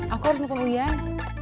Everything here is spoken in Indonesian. aku harus nunggu uian